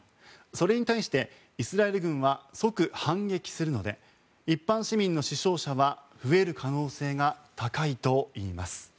それに対してイスラエル軍は即反撃するので一般市民の死傷者は増える可能性が高いといいます。